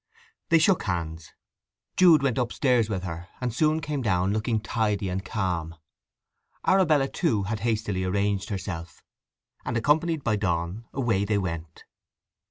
They shook hands. Jude went upstairs with her, and soon came down looking tidy and calm. Arabella, too, had hastily arranged herself, and accompanied by Donn away they went.